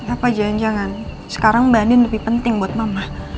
apa jangan jangan sekarang mbak nin lebih penting buat mama